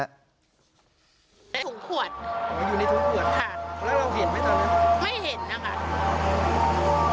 ในถุงขวดอยู่ในถุงขวดขาดแล้วเราเห็นไหมตอนนั้นไม่เห็นนะคะ